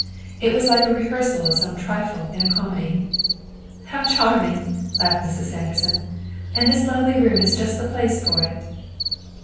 It was like a rehearsal of some trifle in a comedy. "How charming!" laughed Mrs. Sanderson. "And this lovely room is just the place for it."